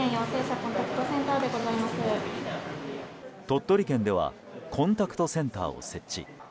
鳥取県ではコンタクトセンターを設置。